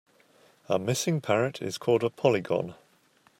A missing parrot is called a polygon.